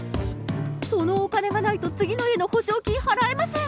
そのお金がないと次の家の保証金払えません。